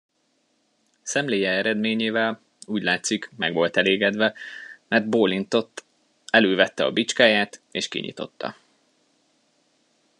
Szemléje eredményével, úgy látszik, meg volt elégedve, mert bólintott, elővette a bicskáját és kinyitotta.